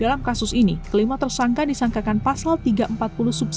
dalam kasus ini kelima tersangka disangkakan pasal tiga ratus empat puluh subjek